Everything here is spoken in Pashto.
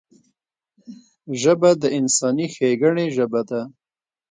ژبه د انساني ښیګڼې ژبه ده